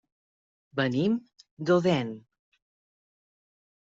Venim d'Odèn.